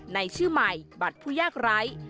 ในชื่อใหม่บัตรผู้ยากไร้